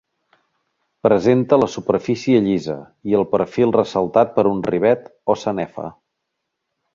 Presenta la superfície llisa i el perfil ressaltat per un rivet o sanefa.